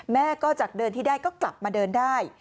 แม่ก็จากเดินที่ได้ก็กลับมาเดินได้